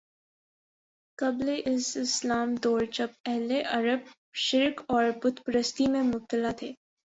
قبل از اسلام دور جب اہل عرب شرک اور بت پرستی میں مبتلا تھے